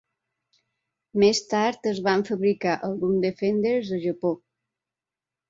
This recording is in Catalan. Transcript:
Més tard es van fabricar alguns Defenders a Japó.